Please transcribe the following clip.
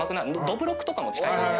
どぶろくとかも近い。